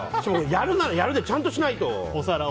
やるならやるでちゃんとしないと！